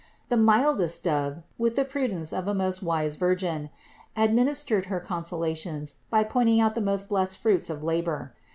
The mildest Dove, with the prudence of a most wise virgin, administered her conso lations by pointing out the most blessed fruits of labor.